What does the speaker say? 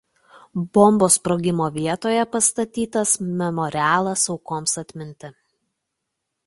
Bombos sprogimo vietoje pastatytas memorialas aukoms atminti.